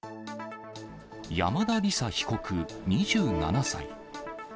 山田李沙被告２７歳。